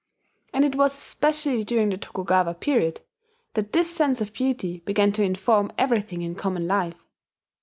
And it was especially during the Tokugawa period that this sense of beauty began to inform everything in common life.